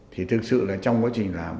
thì thực sự là trong quá trình làm